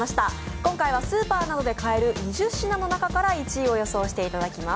今回はスーパーなどで買える２０品の中から１位を予想していただきます。